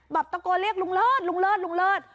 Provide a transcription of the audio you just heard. ตะโกนเรียกลุงเลิศลุงเลิศลุงเลิศ